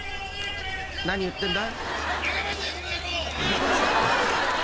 ［何言ってんだ？］